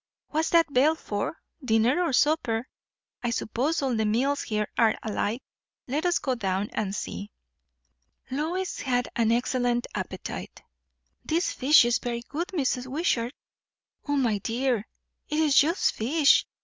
What's that bell for, dinner or supper? I suppose all the meals here are alike. Let us go down and see." Lois had an excellent appetite. "This fish is very good, Mrs. Wishart." "O my dear, it is just fish!